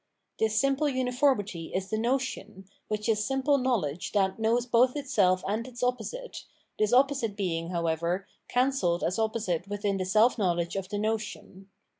This simple uni formity is the notion, which is simple knowledge that knows both itself and its opposite, this opposite being, however, cancelled as opposite within the self know ledge of the notion.